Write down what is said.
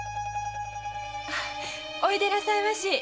おいでなさいまし。